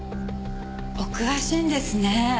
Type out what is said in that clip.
お詳しいんですね。